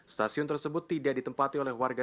stasiun tersebut tidak ditempati oleh warga